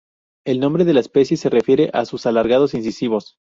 El nombre de la especie se refiere a sus alargados incisivos.